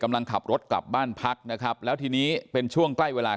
กำลังขับรถกลับบ้านพักนะครับแล้วทีนี้เป็นช่วงใกล้เวลา